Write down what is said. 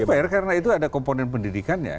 cukup fair karena itu ada komponen pendidikannya